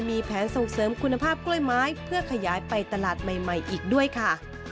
มีแผนส่งเสริมคุณภาพกล้วยไม้เพื่อขยายไปตลาดใหม่อีกด้วยค่ะ